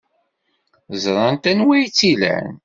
Ẓrant anwa ay tt-ilan.